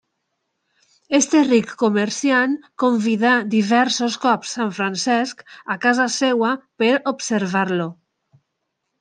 Aquest ric comerciant convidà diversos cops Sant Francesc a casa seva per observar-lo.